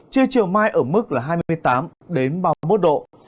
trưa chiều mai ở mức là hai mươi tám ba mươi một độ